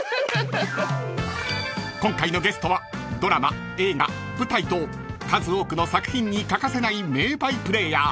［今回のゲストはドラマ映画舞台と数多くの作品に欠かせない名バイプレーヤー］